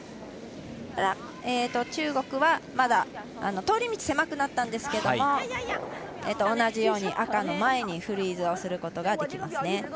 中国はまだ通り道狭くなったんですけど同じように赤の前にフリーズをすることができますね。